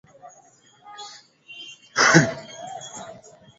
kutoa wito wa kukomeshwa kwa kampeni ambayo imeleta athari zaidi